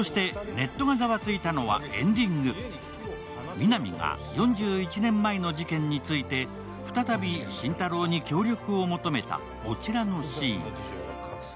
皆実が４１年前の事件について再び心太朗に協力を求めたこらちのシーン。